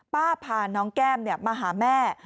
พาน้องแก้มมาหาแม่